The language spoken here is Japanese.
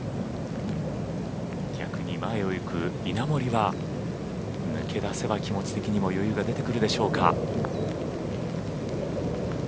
逆に前をいく稲森は抜け出せば気持ち的にも余裕が出てくるでしょうか。